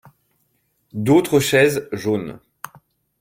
D’autres chaises jaunes.